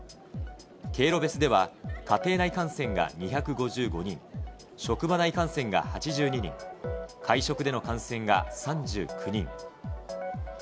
経路別では、家庭内感染が２５５人、職場内感染が８２人、会食での感染が３９人。